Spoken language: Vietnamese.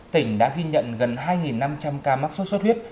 tỉnh đã ghi nhận gần hai năm trăm linh ca mắc sốt xuất huyết